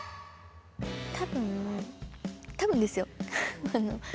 多分多分ですよ。